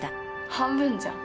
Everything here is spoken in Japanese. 半分じゃん。